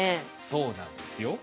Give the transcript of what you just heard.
そうなんですよ。